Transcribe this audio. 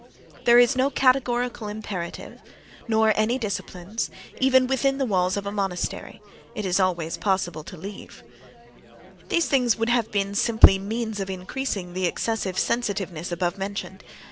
There is no categorical imperative nor any disciplines, even within the walls of a monastery (—it is always possible to leave—). These things would have been simply means of increasing the excessive sensitiveness above mentioned.